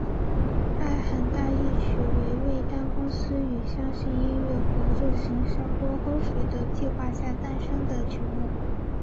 爱很大一曲为味丹公司与相信音乐合作行销多喝水的计划下诞生的曲目。